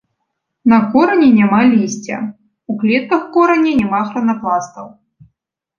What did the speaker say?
На корані няма лісця, у клетках кораня няма хларапластаў.